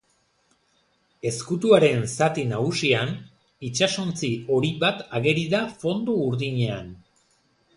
Ezkutuaren zati nagusian itsasontzi hori bat ageri da fondo urdinean.